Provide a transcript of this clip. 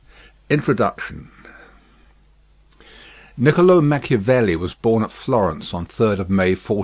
_ INTRODUCTION Nicolo Machiavelli was born at Florence on 3rd May 1469.